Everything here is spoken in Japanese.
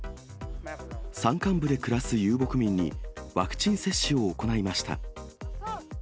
山間部で暮らす遊牧民にワクチン接種を行いました。